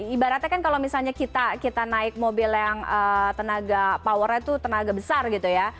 ibaratnya kan kalau misalnya kita naik mobil yang tenaga powernya itu tenaga besar gitu ya